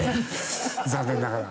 残念ながら。